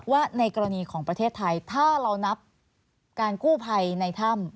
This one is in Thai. ว่าในกรณีของประเทศไทยถ้าเรานับการกู้ภัยในถ้ำ